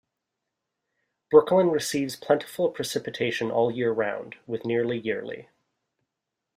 Brooklyn receives plentiful precipitation all year round, with nearly yearly.